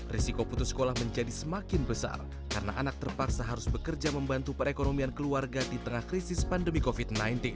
risiko putus sekolah menjadi semakin besar karena anak terpaksa harus bekerja membantu perekonomian keluarga di tengah krisis pandemi covid sembilan belas